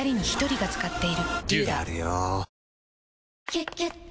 「キュキュット」